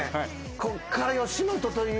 こっから吉本という。